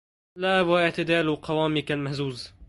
لا واعتدال قوامك المهزوز